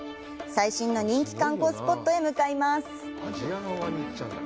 最新の人気観光スポットへ向かいます。